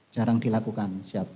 jarang dilakukan siap